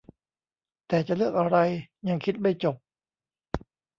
แต่จะเลือกอะไรยังคิดไม่จบ